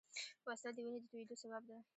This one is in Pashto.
وسله د وینې د تویېدو سبب ده